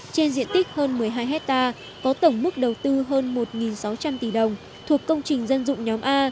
trên diện tích hơn một mươi hai hectare có tổng mức đầu tư hơn một sáu trăm linh tỷ đồng thuộc công trình dân dụng nhóm a